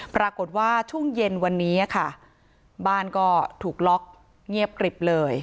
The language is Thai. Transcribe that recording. ปรากฏว่าช่วงเย็นวันนี้ค่ะบ้านก็ถูกล็อกเงียบกริบเลย